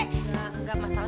enggak enggak masalah